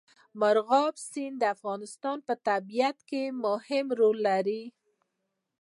مورغاب سیند د افغانستان په طبیعت کې مهم رول لري.